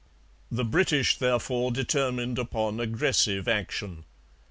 The British, therefore, determined upon aggressive action.